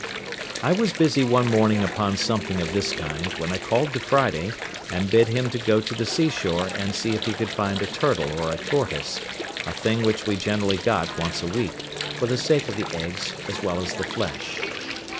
I was busy one morning upon something of this kind, when I called to Friday, and bid him to go to the sea shore and see if he could find a turtle or a tortoise, a thing which we generally got once a week, for the sake of the eggs as well as the flesh.